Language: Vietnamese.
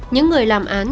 những người làm án